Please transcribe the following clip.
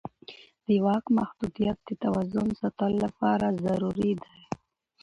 د واک محدودیت د توازن ساتلو لپاره ضروري دی